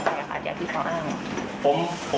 เรารู้สึกผิดไหมที่เราทำแบบนั้นลงไป